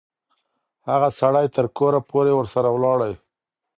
هغه سړی تر کوره پوري ورسره ولاړی.